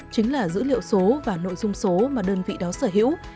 chính là dữ liệu số và nội dung số mà đơn vị đó sở hữu